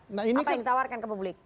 apa yang ditawarkan ke publik